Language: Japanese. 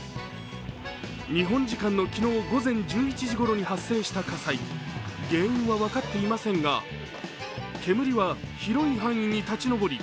日本時間の昨日午前１１時ごろに発生した火災原因は分かっていませんが、煙は広い範囲に立ち上り